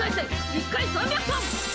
１回３００旦！